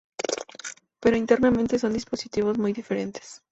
Pero internamente son dispositivos muy diferentes.